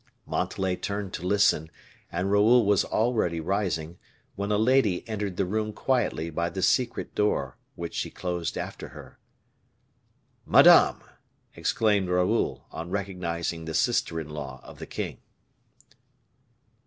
Montalais turned to listen, and Raoul was already rising, when a lady entered the room quietly by the secret door, which she closed after her. "Madame!" exclaimed Raoul, on recognizing the sister in law of the king.